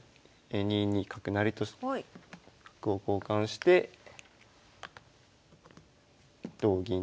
２二角成と角を交換して同銀に。